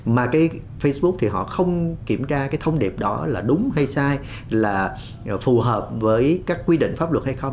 mà cái facebook thì họ không kiểm tra cái thông điệp đó là đúng hay sai là phù hợp với các quy định pháp luật hay không